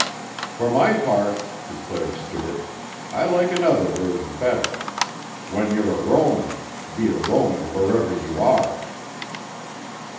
"For my part," declared Stuart, "I like another version better. When you're a Roman, be a Roman wherever you are."